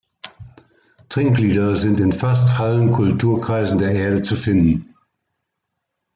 Trinklieder sind in fast allen Kulturkreisen der Erde zu finden.